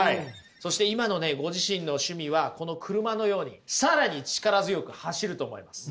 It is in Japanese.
そして今のご自身の趣味はこの車のように更に力強く走ると思います。